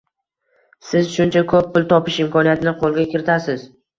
Siz shuncha ko’p pul topish imkoniyatini qo’lga kiritasiz